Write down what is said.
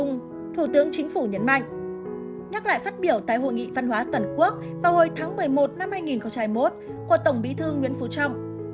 nhắc lại phát biểu tại hội nghị văn hóa toàn quốc vào hồi tháng một mươi một năm hai nghìn một của tổng bí thư nguyễn phú trọng